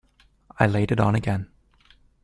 I laid it on again.